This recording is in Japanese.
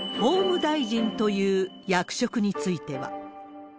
法務大臣という役職については。